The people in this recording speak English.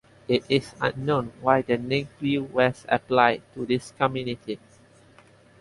It is unknown why the name Plew was applied to this community.